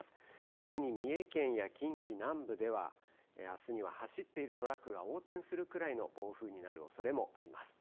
特に三重県や近畿南部ではあすには走っているトラックが横転するくらいの暴風になるおそれもあります。